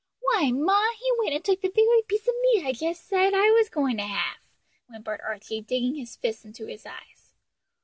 "Why, ma, he went and took the very piece of meat I just said I was going to have," whimpered Archie, digging his fists into his eyes.